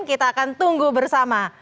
kita akan tunggu bersama